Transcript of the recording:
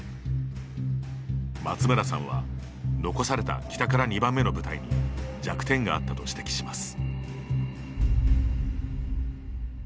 松村さんは残された北から２番目の部隊に弱点があったと指摘します。